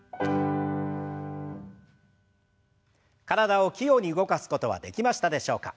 体を器用に動かすことはできましたでしょうか。